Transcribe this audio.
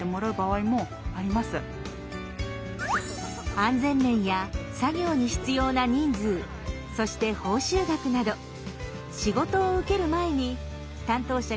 安全面や作業に必要な人数そして報酬額など仕事を受ける前に担当者が必ず現場で確認します。